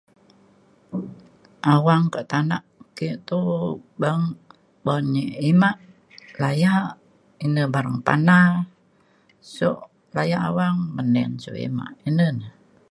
awang ka tana ke toh bang bo nyi imak laya ine bareng pana sio laya awang menin sio imak ine na